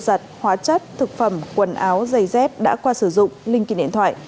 đặt hóa chất thực phẩm quần áo giày dép đã qua sử dụng linh kỳ điện thoại